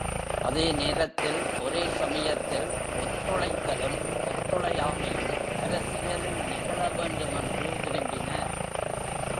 அதே நேரத்தில், ஒரே சமயத்தில் ஒத்துழைத்தலும், ஒத்துழையாமையும் அரசியலில் நிகழ வேண்டும் என்று விரும்பினார்.